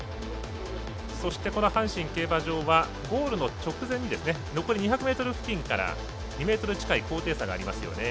そして、この阪神競馬場はゴールの直前残り２００ｍ付近から２ｍ近い高低差がありますよね。